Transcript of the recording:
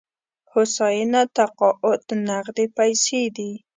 هوساینه تقاعد نغدې پيسې دي.